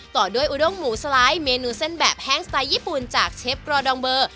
ต่อด้วยอุดงหมูสไลด์เมนูเส้นแบบแห้งสไตล์ญี่ปุ่นจากเชฟกรอดองเบอร์